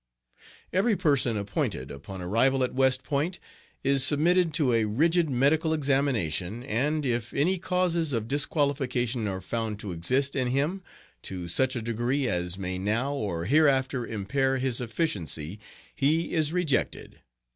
Every person appointed, upon arrival at West Point, is submitted to a rigid medical examination, and if any causes of disqualification are found to exist in him to such a degree as may now or hereafter impair his efficiency, he is rejected.